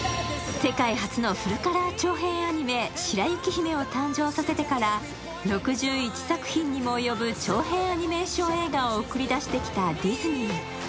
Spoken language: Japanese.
世界初のフルカラー長編アニメ白雪姫を誕生させてから６１作品にも及ぶ長編アニメ映画を送り出してきたディズニー。